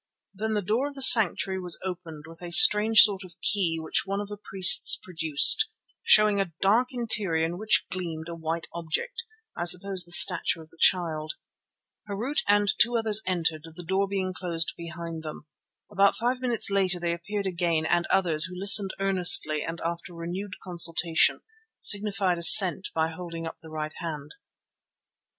Then the door of the sanctuary was opened with a strange sort of key which one of the priests produced, showing a dark interior in which gleamed a white object, I suppose the statue of the Child. Harût and two others entered, the door being closed behind them. About five minutes later they appeared again and others, who listened earnestly and after renewed consultation signified assent by holding up the right hand.